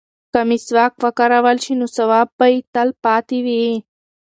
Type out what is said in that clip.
که مسواک وکارول شي نو ثواب به یې تل پاتې وي.